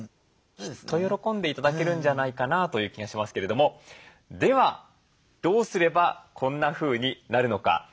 きっと喜んで頂けるんじゃないかなという気がしますけれどもではどうすればこんなふうになるのか。